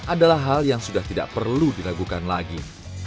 adalah hal yang sudah tidak perlu diragukan lagi